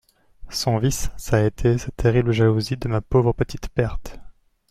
Son vice, ç'a été sa terrible jalousie de ma pauvre petite Berthe.